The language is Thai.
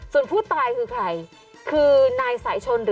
ส่วนผู้ตายคือใคร